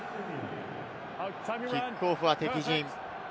キックオフは敵陣。